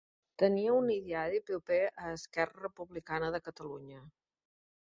Tenia un ideari proper a Esquerra Republicana de Catalunya.